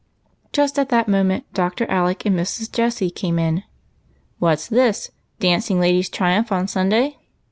Just at that moment Dr. Alec and Mrs. Jessie came in. "What's this? Dancing Ladies Triumph on Sun day?"